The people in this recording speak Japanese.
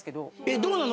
どうなの？